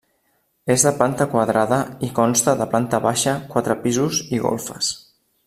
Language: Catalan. És de planta quadrada i consta de planta baixa, quatre pisos i golfes.